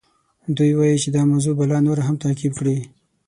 دوی وایي چې دا موضوع به لا نوره هم تعقیب کړي.